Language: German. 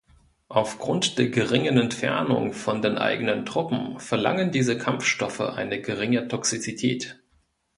Aufgrund der geringen Entfernung von den eigenen Truppen verlangen diese Kampfstoffe eine geringe Toxizität.